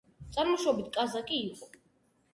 წარმოშობით კაზაკი იყო.